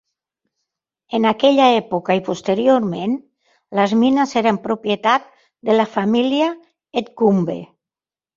En aquella època i posteriorment, les mines eren propietat de la família Edgcumbe.